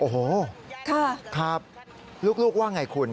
โอ้โฮครับลูกว่าอย่างไรคุณ